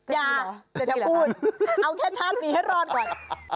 อย่าจะพูดเอาแค่ชาตินี้ให้รอดก่อน